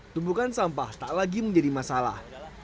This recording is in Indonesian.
tumpukan sampah tak lagi menjadi masalah